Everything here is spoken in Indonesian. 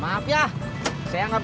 pak biar biar mau kabur